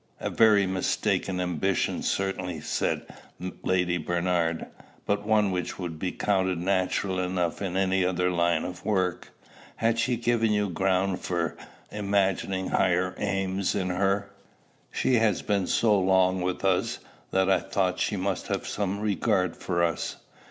"A very mistaken ambition certainly," said Lady Bernard, "but one which would be counted natural enough in any other line of life. Had she given you ground for imagining higher aims in her?" "She had been so long with us, that I thought she must have some regard for us."